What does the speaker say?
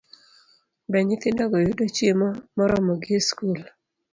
Be nyithindogo yudo chiemo moromogi e skul?